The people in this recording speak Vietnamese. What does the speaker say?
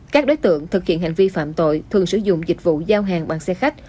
các đối tượng thực hiện hành vi phạm tội thường sử dụng dịch vụ giao hàng bằng xe khách